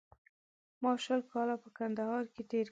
ما شل کاله په کندهار کې تېر کړل